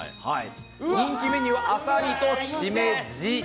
人気メニューはあさりとしめじ。